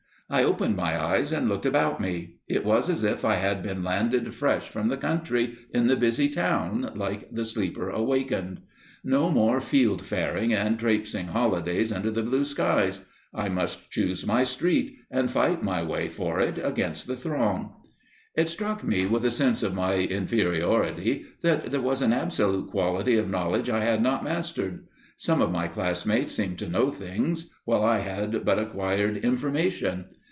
I opened my eyes and looked about me; it was as if I had been landed fresh from the country in the busy town, like the Sleeper Awakened. No more field faring and trapesing holidays under the blue sky; I must choose my street and fight my way for it against the throng. It struck me with a sense of my inferiority that there was an absolute quality of knowledge I had not mastered. Some of my classmates seemed to know things, while I had but acquired information.